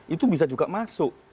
itu bisa juga masuk